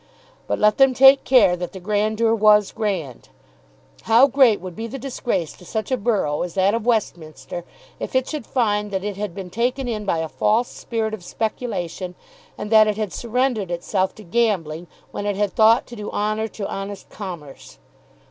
But let them take care that the grandeur was grand. How great would be the disgrace to such a borough as that of Westminster if it should find that it had been taken in by a false spirit of speculation and that it had surrendered itself to gambling when it had thought to do honour to honest commerce.